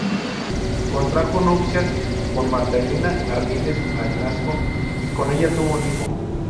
Contrajo nupcias con Marta Elena Ardiles Magnasco y con ella tuvo un hijo.